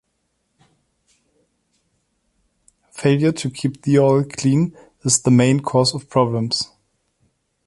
Failure to keep the oil clean is the main cause of problems.